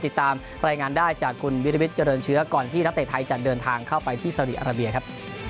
ติดตามรายงานได้จากคุณวิริวิทยเจริญเชื้อก่อนที่นักเตะไทยจะเดินทางเข้าไปที่สาวดีอาราเบียครับ